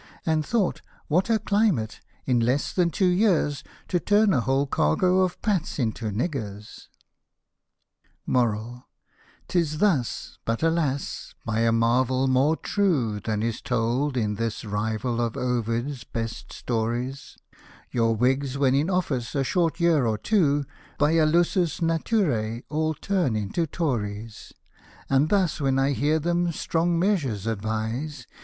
And thought, what a climate, in less than two years, To tuYViAi whole cargo of Pats into niggers ! MORAL 'Tis thus, — but alas !— by a marvel more true Than is told in this rival of Ovid's best stories, — Your Whigs, when in office a short year or two. By a hist^s natiirce^ all turn into Tories. And thus, when I hear them " strong measures " advise.